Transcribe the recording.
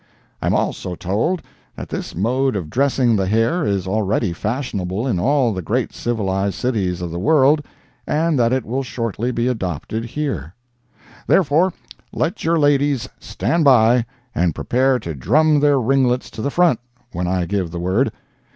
I am also told that this mode of dressing the hair is already fashionable in all the great civilized cities of the world, and that it will shortly be adopted here. Therefore let your ladies "stand by" and prepare to drum their ringlets to the front when I give the word.